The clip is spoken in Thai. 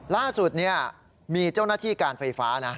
ล่าสุดมีเจ้าหน้าที่การไฟฟ้านะ